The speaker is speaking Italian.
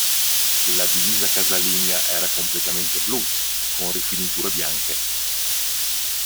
La divisa casalinga era completamente blu, con rifiniture bianche.